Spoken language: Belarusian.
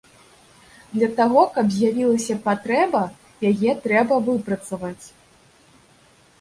Для таго, каб з'явілася патрэба, яе трэба выпрацаваць.